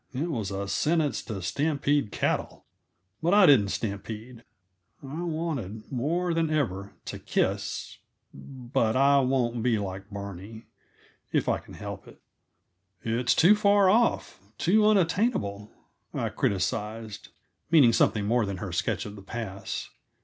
It was a sentence to stampede cattle; but I didn't stampede. I wanted, more than ever, to kiss but I won't be like Barney, if I can help it. "It's too far off too unattainable," I criticized meaning something more than her sketch of the pass.